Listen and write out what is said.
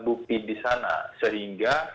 bukti di sana sehingga